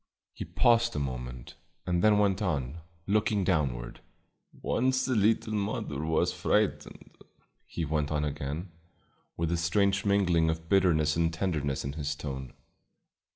He paused a moment, and then went on, looking downward. "Once the little mother was frightened," he went on again, with a strange mingling of bitterness and tenderness in his tone.